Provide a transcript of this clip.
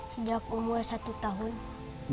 sejak umur satu tahun